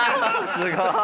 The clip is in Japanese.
すごい！